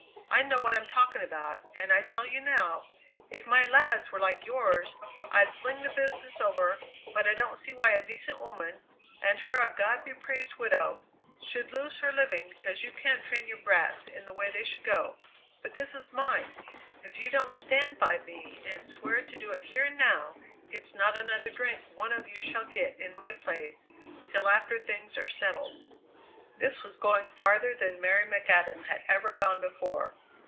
I know what I'm talking about, and I tell you now, if my lads were like yours I'd fling the business over, but I don't see why a decent woman, and her a God be praised widow, should lose her living because you can't train your brats in the way they should go. But this is mine! If you don't stand by me and swear to do it here and now, it's not another drink one of you shall get in my place till after things are settled." This was going farther than Mary McAdam had ever gone before.